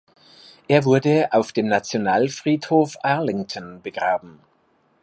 Er wurde auf dem Nationalfriedhof Arlington begraben.